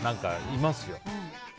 いますよ。